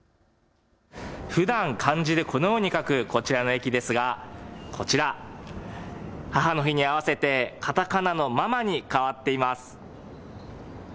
ふだん漢字でこのように書くこちらの駅ですが、こちら、母の日に合わせてカタカナのママに変わっています。